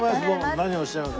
何をおっしゃいます。